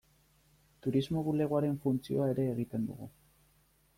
Turismo bulegoaren funtzioa ere egiten dugu.